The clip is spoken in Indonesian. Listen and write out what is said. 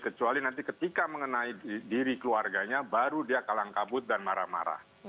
kecuali nanti ketika mengenai diri keluarganya baru dia kalang kabut dan marah marah